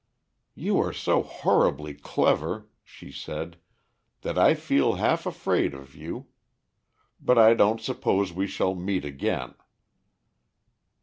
"You are so horribly clever," she said, "that I feel half afraid of you. But I don't suppose we shall meet again."